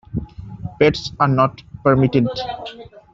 Pets are not permitted.